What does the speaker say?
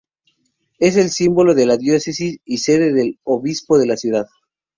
Es el símbolo de la diócesis y sede del obispo de la ciudad.